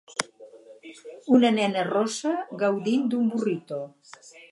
Una nena rossa gaudint d'un burrito